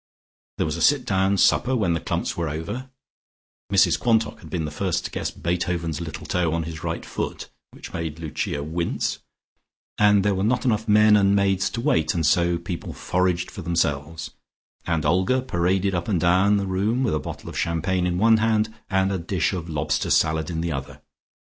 There was a sit down supper when the clumps were over (Mrs Quantock had been the first to guess Beethoven's little toe on his right foot, which made Lucia wince) and there were not enough men and maids to wait, and so people foraged for themselves, and Olga paraded up and down the room with a bottle of champagne in one hand, and a dish of lobster salad in the other.